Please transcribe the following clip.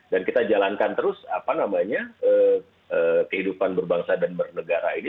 dan kita jalankan terus kehidupan berbangsa dan bernegara ini